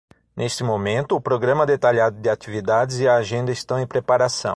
Neste momento, o programa detalhado de atividades e a agenda estão em preparação.